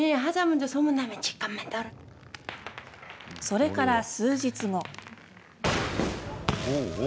それから数日後。